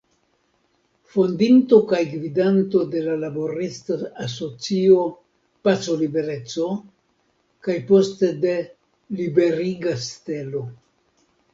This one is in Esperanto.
Fondinto kaj gvidanto de la laborista asocio "Paco Libereco", kaj poste de "Liberiga Stelo".